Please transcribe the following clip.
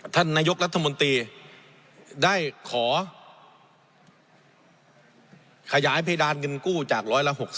ท่านนายกรัฐมนตรีได้ขอขยายเพดานเงินกู้จาก๑๖๐